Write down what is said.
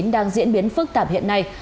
đang diễn biến phức tạp hiện nay